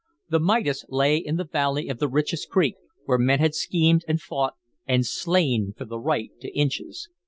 The Midas lay in the valley of the richest creek, where men had schemed and fought and slain for the right to inches.